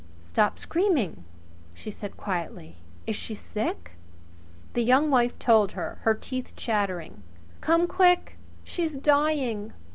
"Stop screaming," she said quietly. "Is she sick?" The Young Wife told her, her teeth chattering: "Come quick! She's dying!